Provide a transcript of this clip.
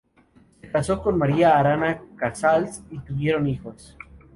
Se casó con María Arana Casals y tuvieron hijos.